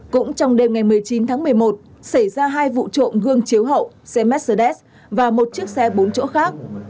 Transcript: cũng trong đêm ngày một mươi chín tháng một mươi một xảy ra hai vụ trộm gương chiếu hậu xe mercedes và một chiếc xe bốn chỗ khác